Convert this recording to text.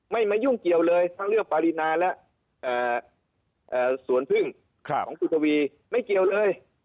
ไม่มายุ่งเกี่ยวเลยทั้งเรื่องปรินาและสวนพึ่งของคุณทวีไม่เกี่ยวเลย